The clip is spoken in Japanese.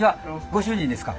ご主人ですか？